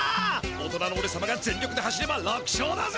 大人のおれさまが全力で走れば楽勝だぜ！